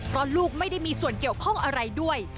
เพราะลูกไม่ได้มีส่วนเกี่ยวข้องอะไรด้วย